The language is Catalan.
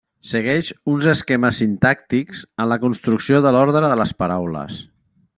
Segueix uns esquemes sintàctics en la construcció de l'ordre de les paraules.